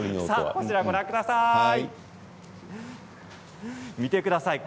こちらをご覧ください。